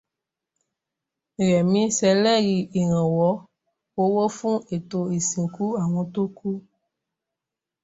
Rẹ̀mí ṣèlérí ìrànwọ́ owó fún ètò ìsìnkú àwọn tó kú.